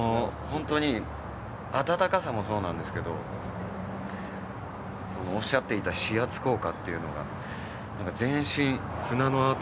本当に温かさもそうなんですけどおっしゃっていた指圧効果というのが全身、砂の跡。